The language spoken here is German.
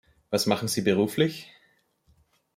Was machen Sie beruflich?